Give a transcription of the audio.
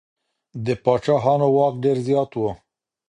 د پاچاهانو واک ډېر زيات و.